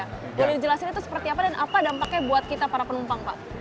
boleh dijelasin itu seperti apa dan apa dampaknya buat kita para penumpang pak